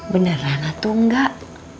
beneran atau enggak